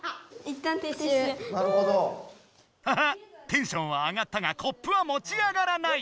テンションは上がったがコップはもち上がらない。